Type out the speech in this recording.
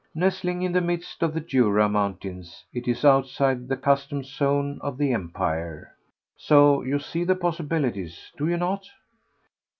Nestling in the midst of the Jura mountains, it is outside the customs zone of the Empire. So you see the possibilities, do you not?